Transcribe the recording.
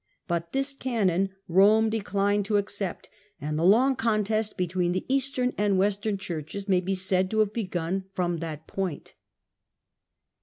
But this canon Rome declined to accept, and the long contest between the Eastern and Western Churches may be said to have begun from that point.